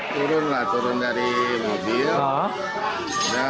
turun lah turun dari mobil